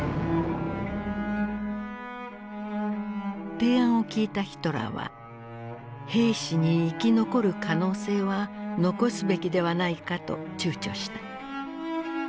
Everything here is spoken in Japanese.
提案を聞いたヒトラーは「兵士に生き残る可能性は残すべきではないか」とちゅうちょした。